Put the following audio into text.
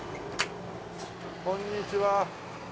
こんにちは。